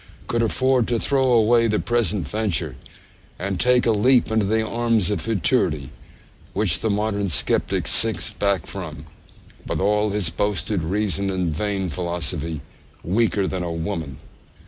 could afford to throw away the present venture, and take a leap into the arms of futurity, which the modern sceptic shrinks back from, with all his boasted reason and vain philosophy, weaker than a woman!